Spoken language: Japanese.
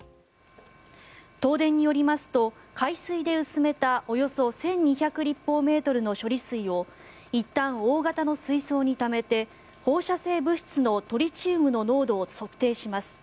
東電によりますと海水で薄めたおよそ１２００立方メートルの処理水をいったん、大型の水槽にためて放射性物質のトリチウムの濃度を測定します。